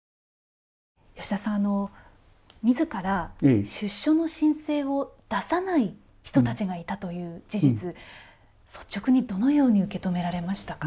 吉田さん、みずから出所の申請を出さない人たちがいたという事実率直にどのように受け止められましたか。